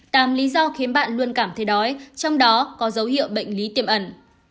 tám lý do khiến bạn luôn cảm thấy đói trong đó có dấu hiệu bệnh lý tiềm ẩn